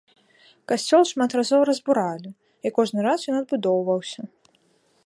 Касцёл шмат разоў разбуралі, і кожны раз ён адбудоўваўся.